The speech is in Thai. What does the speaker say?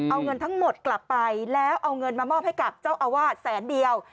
เอาเงินทั้งหมดกลับไปแล้วเอาเงินมามอบให้กับเจ้าอาวาสแสนเดียว